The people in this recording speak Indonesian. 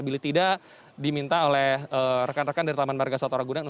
bila tidak diminta oleh rekan rekan dari taman marga satwa ragunan